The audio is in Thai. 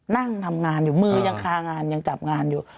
นั่งทำงานอยู่มือยังคางานยังจับงานอยู่